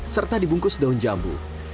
serta dibungkus daun jambu